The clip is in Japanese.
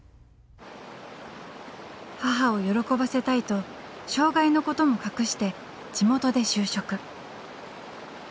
母を喜ばせたいと障害のことも隠して地元で就職。